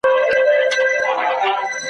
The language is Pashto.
لس ډوله تعبیرونه وړاندي کړي `